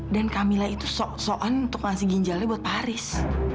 dan kamila itu sok sokan untuk ngasih ginjalnya buat pak haris